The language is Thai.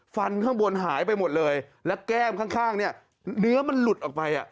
ฟันข้างบนหายไปหมดเลยแล้วแก้มข้างเนี่ยเนื้อมันหลุดออกไปอ่ะ